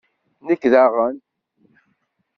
Nekk daɣen.